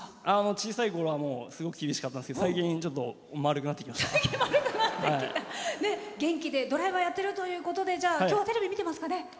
小さいころはすごく厳しかったんですけど元気でドライバーやってるということで今日は、テレビ見てますかね？